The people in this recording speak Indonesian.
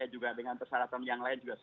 juga dengan persyaratan yang lain